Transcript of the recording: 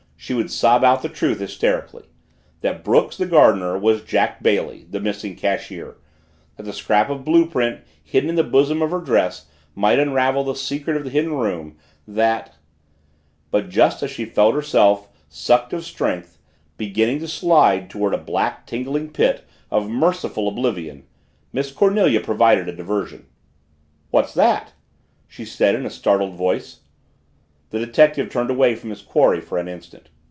She would sob out the truth hysterically that Brooks, the gardener, was Jack Bailey, the missing cashier that the scrap of blue print hidden in the bosom of her dress might unravel the secret of the Hidden Room that But just as she felt herself, sucked of strength, beginning to slide toward a black, tingling pit of merciful oblivion, Miss Cornelia provided a diversion. "What's that?" she said in a startled voice. The detective turned away from his quarry for an instant.